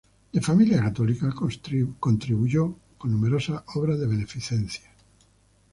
De familia católica, contribuyó con numerosas obras de beneficencia.